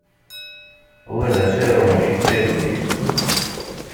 Wa d asaru mačči d targit!